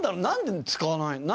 なんで使わない？